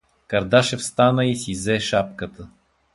Кардашев стана и си зе шапката.